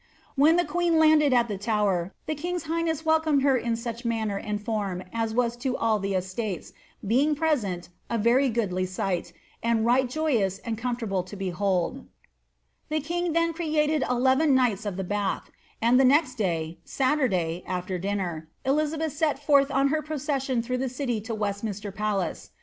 ''' When the queeg i ka&lu ibe Tower, the king's highness welcomed her in such mannor J aad fona aa was to all the estates, being present, a very goodly sigb^ f •od right joyous and comfortable lo behold," Tlw king then created eleven knights of the Bath ; and the n SMBidav, after dinner, Elizabeth set forth on her procession through tl ciiy to Westminster Palace.